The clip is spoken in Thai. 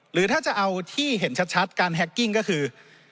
หรือถ้าจะเอาที่เห็นชัดการแฮกกิ้งก็คือ